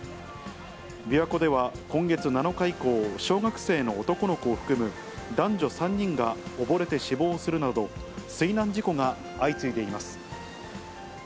琵琶湖では今月７日以降、小学生の男の子を含む男女３人が溺れて死亡するなど、水難事故が相次いでいます。